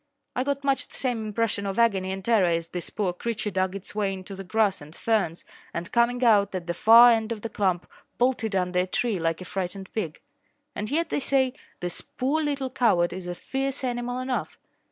I got much the same impression of agony and terror as this poor creature dug its way into the grass and ferns and, coming out at the far end of the clump, bolted under a tree like a frightened pig. And yet, they say, this poor little coward is a fierce animal enough.